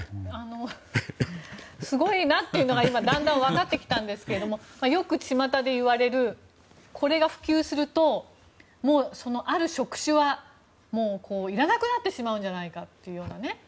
すごいなというのはだんだん分かってきたんですけどよく巷で言われるこれが普及するとある職種はいらなくなってしまうんじゃないかって。